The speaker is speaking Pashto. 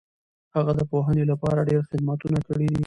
هغه د پوهنې لپاره ډېر خدمتونه کړي دي.